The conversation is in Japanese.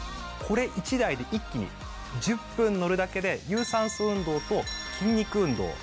これ１台で一気に１０分乗るだけで有酸素運動と筋肉運動